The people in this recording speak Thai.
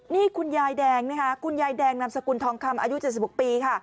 นี่คุณยายแดงนะคะคุณยายแดงนามสกุลทองคำอายุ๗๖ปีค่ะ